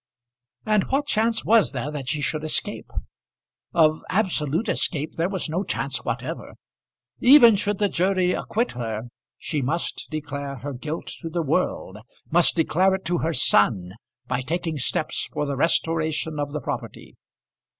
And what chance was there that she should escape? Of absolute escape there was no chance whatever. Even should the jury acquit her, she must declare her guilt to the world, must declare it to her son, by taking steps for the restoration of the property.